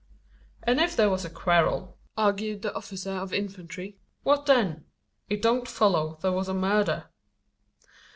"And if there was a quarrel," argued the officer of infantry, "what then? It don't follow there was a murder."